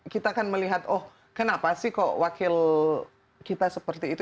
kita kan melihat oh kenapa sih kok wakil kita seperti itu